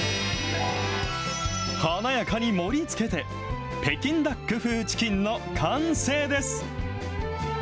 華やかに盛りつけて、北京ダック風チキンの完成です。